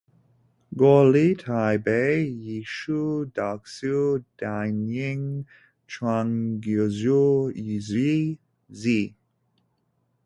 国立台北艺术大学电影创作学系